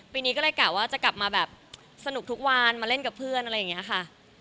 ปีนี้ก็เลยกะว่าจะกลับมาแบบสนุกทุกวันมาเล่นกับเพื่อนอะไรอย่างนี้ค่ะ